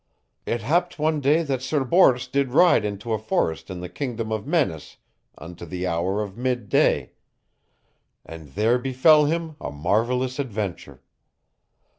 It happed one day that Sir Bors did ride into a forest in the Kingdom of Mennes unto the hour of midday, and there befell him a marvelous adventure.